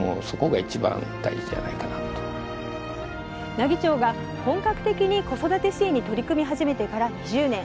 奈義町が本格的に子育て支援に取り組み始めてから１０年。